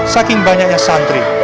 saking banyaknya santri